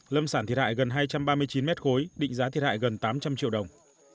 lâm sản thiệt hại gần hai trăm ba mươi chín mét khối định giá thiệt hại gần tám trăm linh triệu đồng